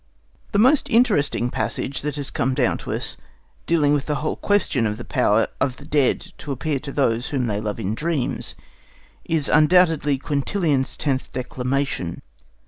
The most interesting passage that has come down to us, dealing with the whole question of the power of the dead to appear to those whom they love in dreams, is undoubtedly Quintilian's Tenth Declamation.